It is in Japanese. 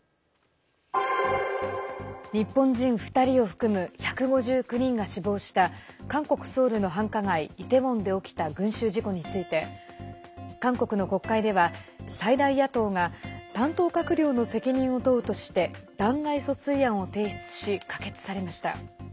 日本人２人を含む１５９人が死亡した韓国ソウルの繁華街イテウォンで起きた群衆事故について韓国の国会では最大野党が担当閣僚の責任を問うとして弾劾訴追案を提出し可決されました。